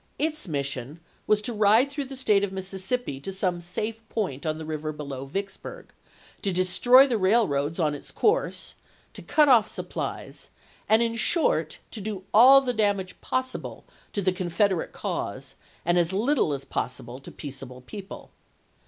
Its mission was to ride through the State of Mississippi to some safe point on the river below Vicksburg ; to destroy the rail roads on its course ; to cut off supplies, and in short to do all the damage possible to the Confederate cause and as little as possible to peaceable people.